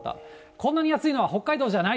こんなに暑いのは北海道じゃない！